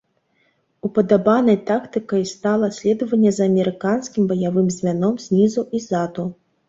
Упадабанай тактыкай стала следаванне за амерыканскім баявым звяном знізу і ззаду.